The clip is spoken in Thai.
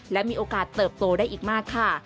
และมีโอกาสเติบโตได้อีกมากค่ะ